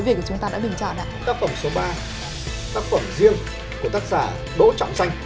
tác phẩm riêng của tác giả đỗ trọng danh